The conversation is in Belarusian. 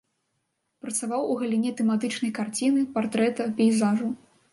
Працаваў у галіне тэматычнай карціны, партрэта, пейзажу.